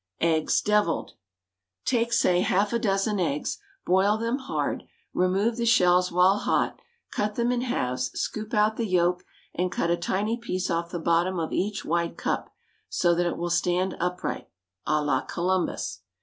EGGS, DEVILLED. Take, say, half a dozen eggs, boil them hard, remove the shells while hot, cut them in halves, scoop out the yolk, and cut a tiny piece off the bottom of each white cup, so that it will stand upright a la Columbus.